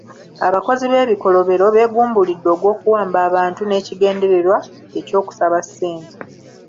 Abakozi b'ebikolobero beegumbulidde ogw'okuwamba abantu n'ekigendererwa eky'okusaba ssente.